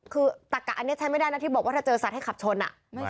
คือตักกะอันนี้ใช้ไม่ได้นะที่บอกว่าถ้าเจอสัตว์ให้ขับชน